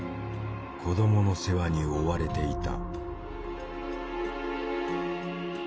子どもの世話に追われていた。